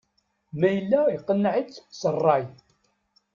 Ma yella iqneɛ-itt s rray.